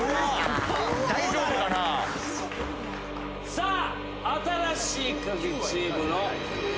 さあ新しいカギチームの得点は。